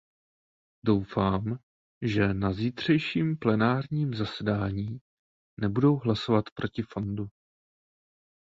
Doufám, že na zítřejším plenárním zasedání nebudou hlasovat proti fondu.